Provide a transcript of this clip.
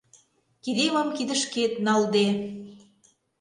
Кидемым кидышкет налде